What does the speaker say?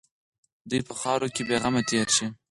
دوی په خاوره کې بېغمه تېر شي.